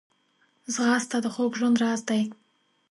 ځغاسته د خوږ ژوند راز دی